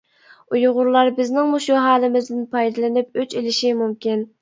ئۇيغۇرلار بىزنىڭ مۇشۇ ھالىمىزدىن پايدىلىنىپ ئۆچ ئېلىشى مۇمكىن.